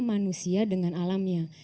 manusia dengan alamnya